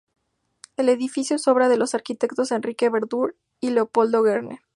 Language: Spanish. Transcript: El edificio es obra de los arquitectos Enrique Verdú y Leopoldo Werner.